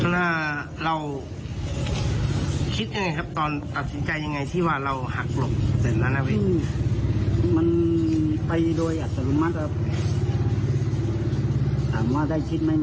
มันไปโดยอัศรุมัติถามว่าได้คิดไหม